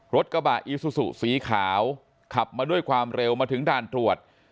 รถกระบะอีซูซูสีขาวขับมาด้วยความเร็วมาถึงด่านตรวจ